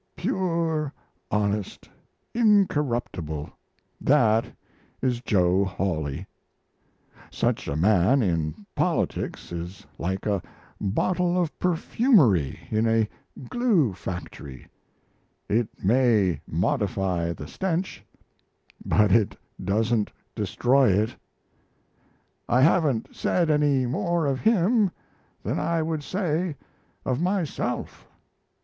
Pure, honest, incorruptible, that is Joe Hawley. Such a man in politics is like a bottle of perfumery in a glue factory it may modify the stench, but it doesn't destroy it. I haven't said any more of him than I would say of myself.